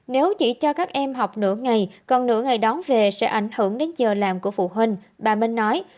nếu chỉ cho các em học nửa ngày còn nửa ngày đón về sẽ ảnh hưởng đến giờ làm của phụ huynh bà minh nói